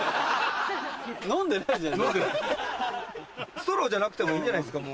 ストローじゃなくてもいいんじゃないですか？